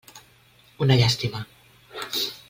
Una llàstima.